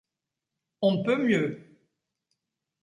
On ne peut mieux !